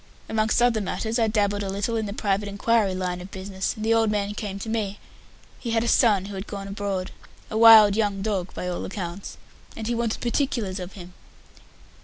"Amongst other matters, I dabbled a little in the Private Inquiry line of business, and the old man came to me. He had a son who had gone abroad a wild young dog, by all accounts and he wanted particulars of him."